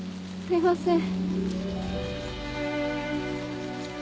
すいません。